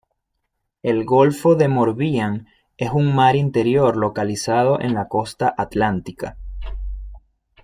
El golfo de Morbihan es un mar interior localizado en la costa atlántica.